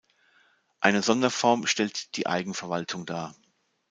Eine Sonderform stellt die Eigenverwaltung dar.